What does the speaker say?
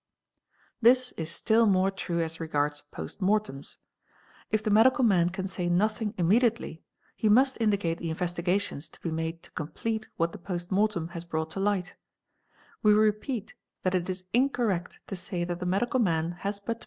This is still more true as regards post mortems; if the medical man ean say nothing immediately, he must indicate the investigations to be made to complete what the post mortem has brought to light; we repeat ® that it is incorrect to say that the medical man has but to.